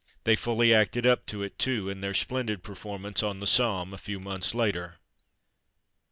They fully acted up to it, too, in their splendid performance on the Somme, a few months later.